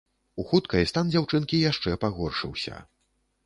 У хуткай стан дзяўчынкі яшчэ пагоршыўся.